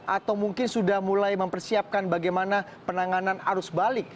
atau mungkin sudah mulai mempersiapkan bagaimana penanganan arus balik